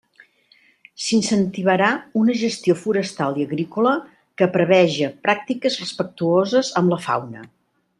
S'incentivarà una gestió forestal i agrícola que preveja pràctiques respectuoses amb la fauna.